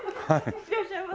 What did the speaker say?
いらっしゃいませ。